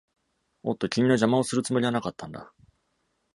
おっと、君の邪魔をするつもりはなかったんだ！